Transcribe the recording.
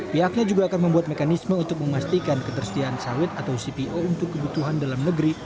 pihaknya juga akan membuat mekanisme untuk memastikan ketersediaan sawit atau cpo untuk kebutuhan dalam negeri